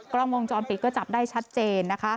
กล้องวงจอมปิดก็จับได้ชัดเจน